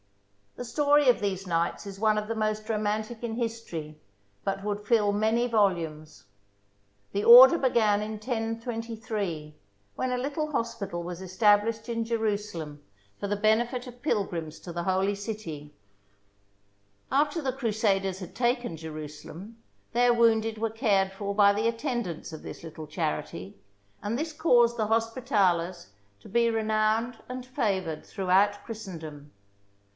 The story of these knights is one of the most romantic in history, but would fill many volumes. The order began in 1023, when a little hospital was established in Jerusalem for the benefit of pilgrims to the Holy City. After the Crusaders had taken Jerusalem, their wounded were cared for by the attendants of this little charity, and this caused the THE BOOK OF FAMOUS SIEGES Hospitalers to be renowned and favoured through out Christendom.